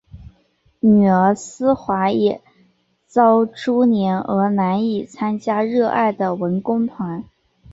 女儿思华也遭株连而难以参加热爱的文工团。